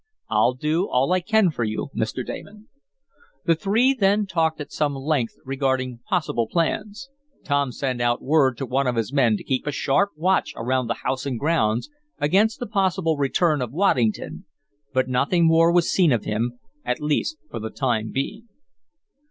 "I'll do all I can for you, Mr. Damon." The three then talked at some length regarding possible plans. Tom sent out word to one of his men to keep a sharp watch around the house and grounds, against the possible return of Waddington, but nothing more was seen of him, at least for the time being.